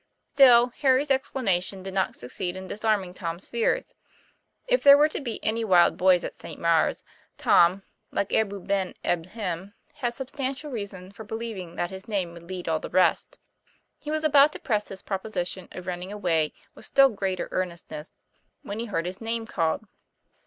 Still, Harry's explanation did not succeed in disarming Tom's fears. If there were to be any wild boys at St. Maure's, Tom, like Abou Ben Adhem, had substantial reasons for believing that his name would lead all the rest. He was about to press his proposition of running away with still greater earnestness, when he heard his name called.